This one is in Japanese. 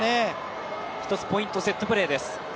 １つポイント、セットプレーです。